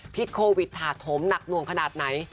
โควิดถาโถมหนักหน่วงขนาดไหน